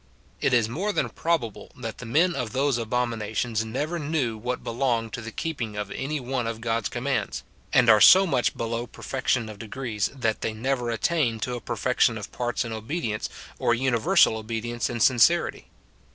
It is more than probable that the men of those abominations never knew what belonged to the keeping of any one of God's commands, and are so much below perfection of degrees, that they never attained to SIN IN BELIEVERS. 155 a perfection of parts in obedience, or universal obedience in sincerity.